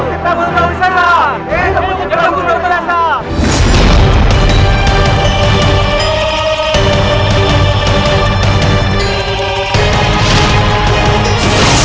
hidup hidup hidup hidup hidup hidup hidup